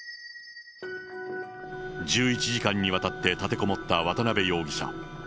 １１時間にわたって立てこもった渡辺容疑者。